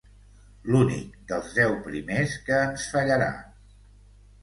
L'únic dels deu primers que ens fallarà.